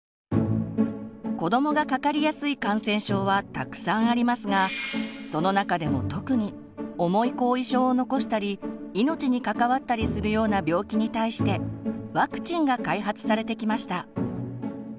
子どもがかかりやすい感染症はたくさんありますがその中でも特に重い後遺症を残したり命に関わったりするような病気に対してワクチンが開発されてきました。